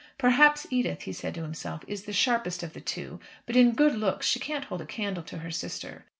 Perhaps Edith, he said to himself, is the sharpest of the two, but in good looks she can't hold a candle to her sister.